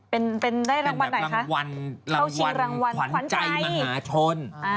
เป็นรางวัลไหนคะเป็นแบบรางวัลรางวัลขวัญใจมหาชน